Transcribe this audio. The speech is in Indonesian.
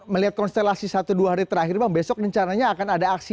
melihat konstelasi satu dua hari terakhir bang besok rencananya akan ada aksi